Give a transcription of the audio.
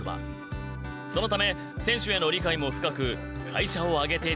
そのため選手への理解も深く会社を挙げてチームを応援している。